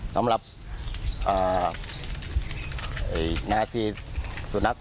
สำหรับนาทีสุนัข